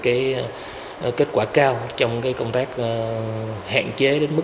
cái kết quả cao trong cái công tác hạn chế đến mức thấp nhất cái tội phạm nguy hiểm nó tiếp diễn xảy ra